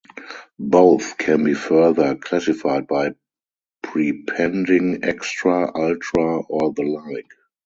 Both can be further classified by prepending "extra", "ultra" or the like.